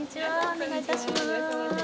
お願いいたします。